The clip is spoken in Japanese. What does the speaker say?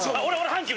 阪急？